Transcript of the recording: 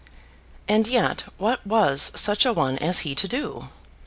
And yet what was such a one as he to do?